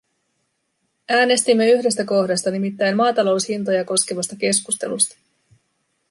Äänestimme yhdestä kohdasta, nimittäin maataloushintoja koskevasta keskustelusta.